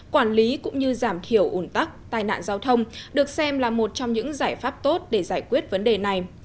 quản lý cũng như giảm thiểu ủn tắc tai nạn giao thông được xem là một trong những giải pháp tốt để giải quyết vấn đề này